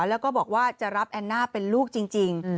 แล้วก็บอกว่าจะรับแอนน่าเป็นลูกจริง